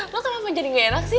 lo kenapa jadi gak enak sih